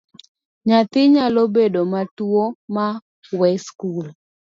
Nyathi nyalo bedo matuwo ma owe skul.